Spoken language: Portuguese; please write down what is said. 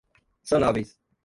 sanáveis